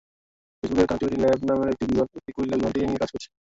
ফেসবুকের connectivity lab নামের একটি বিভাগ অ্যাকুইলা বিমানটি নিয়ে কাজ করছে।